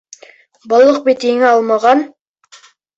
Балыҡ бит еңә алмаған!